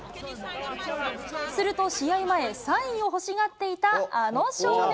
すると試合前、サインを欲しがっていたあの少年。